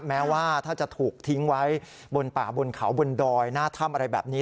แม้ว่าถ้าจะถูกทิ้งไว้บนป่าบนเขาบนดอยหน้าถ้ำอะไรแบบนี้